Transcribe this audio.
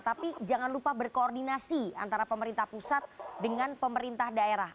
tapi jangan lupa berkoordinasi antara pemerintah pusat dengan pemerintah daerah